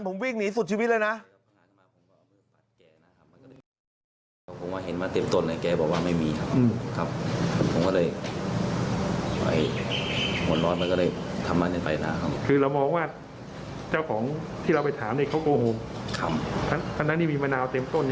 ผมวิ่งหนีสุดชีวิตเลยนะ